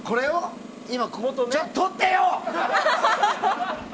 ちょっと撮ってよ！